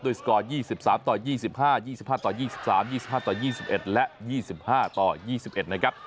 สกอร์๒๓ต่อ๒๕๒๕ต่อ๒๓๒๕ต่อ๒๑และ๒๕ต่อ๒๑นะครับ